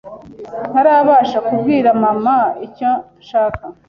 ntarabasha kubwira mama icyo nshaka